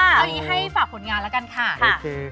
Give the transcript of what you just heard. เอาอย่างนี้ให้ฝากผลงานแล้วกันค่ะ